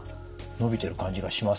伸びてる感じがしますね。